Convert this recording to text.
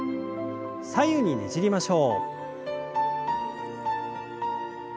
左右にねじりましょう。